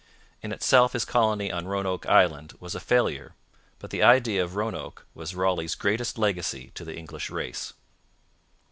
In itself his colony on Roanoke Island was a failure, but the idea of Roanoke was Raleigh's greatest legacy to the English race.